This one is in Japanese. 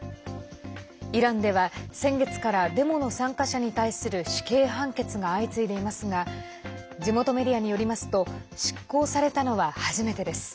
イランでは先月からデモの参加者に対する死刑判決が相次いでいますが地元メディアによりますと執行されたのは初めてです。